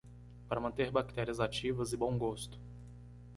Para manter bactérias ativas e bom gosto